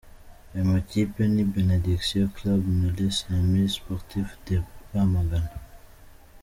Ayo makipe ni Benediction Club na Les Amis Sportifs de Rwamagana.